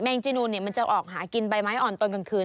งจีนูนมันจะออกหากินใบไม้อ่อนตอนกลางคืน